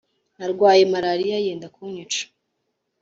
Narwaye maraliya yenda kunyica